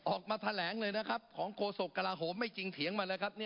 ออกมาแถลงเลยนะครับของโฆษกกระลาโหมไม่จริงเถียงมาแล้วครับ